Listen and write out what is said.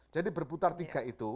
jadi berputar tiga itu